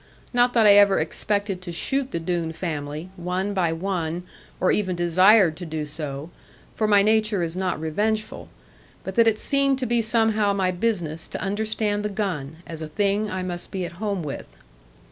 Not that I ever expected to shoot the Doone family, one by one, or even desired to do so, for my nature is not revengeful; but that it seemed to be somehow my business to understand the gun, as a thing I must be at home with.